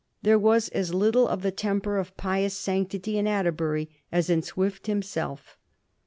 There was as little of the temper of pious sanctity in Atterbury as in Swift himself.